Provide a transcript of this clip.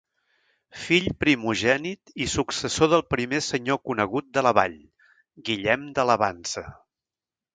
Fill primogènit i successor del primer senyor conegut de la vall, Guillem de Lavansa.